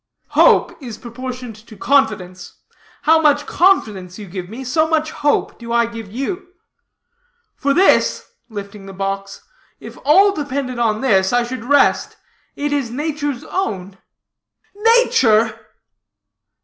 "Hope is proportioned to confidence. How much confidence you give me, so much hope do I give you. For this," lifting the box, "if all depended upon this, I should rest. It is nature's own." "Nature!"